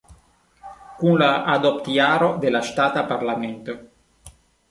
Kun la adopt-jaro de la ŝtata parlamento.